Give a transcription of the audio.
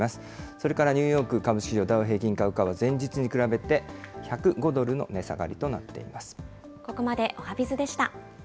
それからニューヨーク株式市場、ダウ平均株価は前日に比べて１０５ドルの値下がりとなっています。